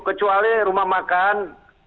kecuali rumah makan